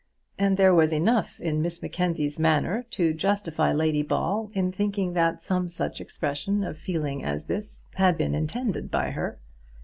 And there was enough in Miss Mackenzie's manner to justify Lady Ball in thinking that some such expression of feeling as this had been intended by her.